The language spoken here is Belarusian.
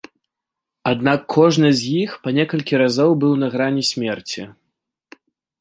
Аднак кожны з іх па некалькі разоў быў на грані смерці.